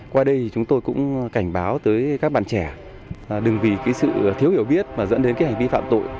qua đây chúng tôi cũng cảnh báo tới các bạn trẻ đừng vì sự thiếu hiểu biết mà dẫn đến hành vi phạm tội